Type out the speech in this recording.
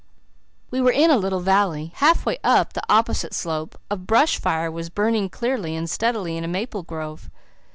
We were in a little valley. Half way up the opposite slope a brush fire was burning clearly and steadily in a maple grove.